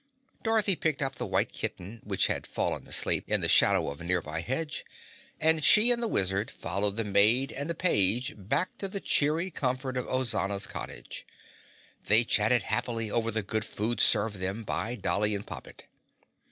Dorothy picked up the White Kitten which had fallen asleep in the shadow of a nearby hedge, and she and the Wizard followed the maid and the page back to the cheery comfort of Ozana's cottage. They chatted happily over the good food served them by Dolly and Poppet.